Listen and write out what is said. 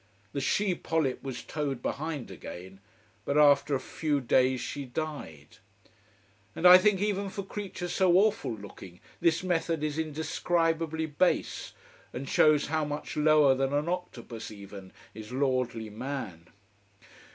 The she polyp was towed behind again. But after a few days she died. And I think, even for creatures so awful looking, this method is indescribably base, and shows how much lower than an octopus even, is lordly man.